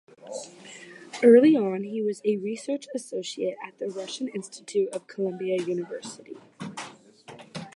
Early on, he was a Research Associate at the Russian Institute of Columbia University.